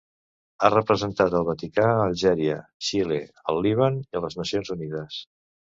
Ha representat el Vaticà a Algèria, Xile, al Líban i a les Nacions Unides.